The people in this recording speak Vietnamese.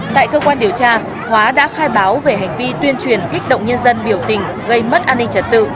tại cơ quan điều tra hóa đã khai báo về hành vi tuyên truyền kích động nhân dân biểu tình gây mất an ninh trật tự